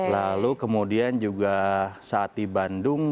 lalu kemudian juga saat di bandung